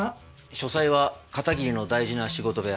書斎は片桐の大事な仕事部屋。